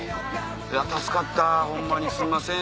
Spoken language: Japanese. いや助かったホンマにすいません。